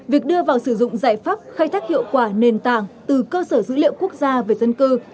việc đưa vào sử dụng giải pháp khai thác hiệu quả nền tảng từ cơ sở dữ liệu quốc gia về dân cư